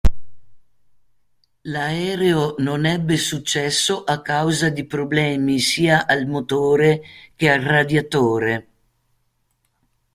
L'aereo non ebbe successo a causa di problemi sia al motore che al radiatore.